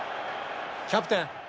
キャプテン！